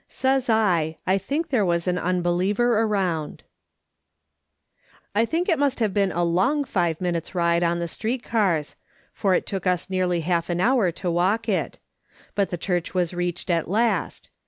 4ys i: "i think there was an unbeliever around:' I THINK it must have been a long five minutes' ride on the street cars, for it took us nearly half an hour to walk it ; but the church was reached at last.